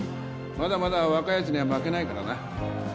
まだまだ若い奴には負けないからな。